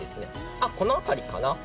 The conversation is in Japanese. あ、この辺りかな。